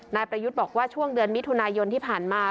นายประยุทธ์บอกว่าช่วงเดือนมิถุนายนที่ผ่านมา